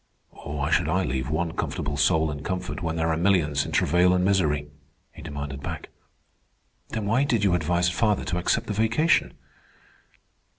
"Why should I leave one comfortable soul in comfort when there are millions in travail and misery?" he demanded back. "Then why did you advise father to accept the vacation?"